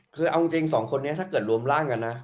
คือเอาจริงสองคนนี้ถ้าเกิดรวมร่างกันนะ